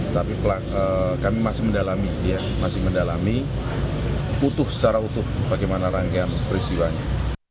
tapi kami masih mendalami masih mendalami utuh secara utuh bagaimana rangkaian peristiwanya